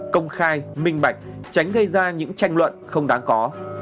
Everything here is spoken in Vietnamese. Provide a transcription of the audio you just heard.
công khai minh bạch tránh gây ra những tranh luận không đáng có